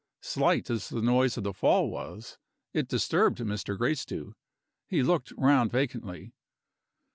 Slight as the noise of the fall was, it disturbed Mr. Gracedieu. He looked round vacantly.